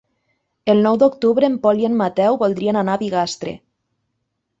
El nou d'octubre en Pol i en Mateu voldrien anar a Bigastre.